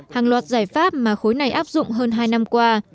hàng loạt giải pháp mà khối này áp dụng hơn hai năm qua